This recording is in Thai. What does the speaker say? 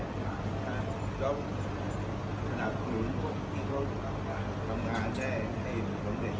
สำหรับคนที่เขาทำงานได้ให้มันเป็นแข่ง